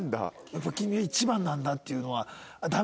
やっぱり「君が１番なんだ」っていうのはダメなのね？